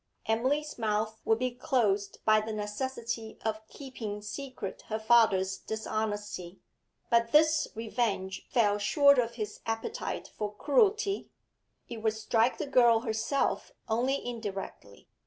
Emily's mouth would be closed by the necessity of keeping secret her father's dishonesty. But this revenge fell short of his appetite for cruelty; it would strike the girl herself only indirectly.